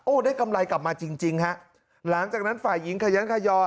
ได้กำไรกลับมาจริงจริงฮะหลังจากนั้นฝ่ายหญิงขยันขยอ